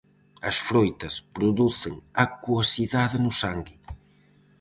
As froitas producen acuosidade no sangue.